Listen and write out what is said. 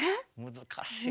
難しい。